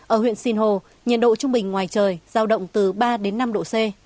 ở huyện sinh hồ nhiệt độ trung bình ngoài trời giao động từ ba đến năm độ c